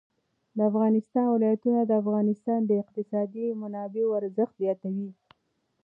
د افغانستان ولايتونه د افغانستان د اقتصادي منابعو ارزښت زیاتوي.